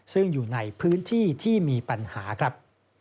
ซึ่งอยู่ในพื้นที่ที่มีปัญหาครับ